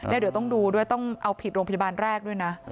เดี๋ยวต้องดูด้วยต้องเอาผิดโรงพยาบาลแรกด้วยนะ